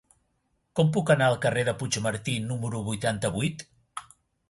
Com puc anar al carrer de Puigmartí número noranta-vuit?